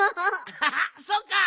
ハハッそっか！